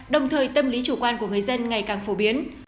đồng thời tâm lý chủ quan của người dân ngày càng phổ biến